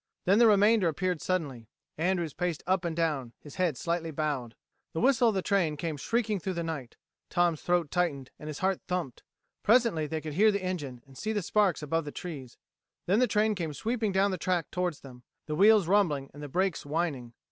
Then the remainder appeared suddenly. Andrews paced up and down, his head slightly bowed. The whistle of the train came shrieking through the night. Tom's throat tightened and his heart thumped. Presently they could hear the engine, and see the sparks above the trees. Then the train came sweeping down the track towards them, the wheels rumbling and the brakes whining.